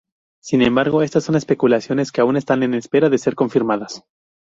Sin embargo, estas son especulaciones que aún están en espera de ser confirmadas.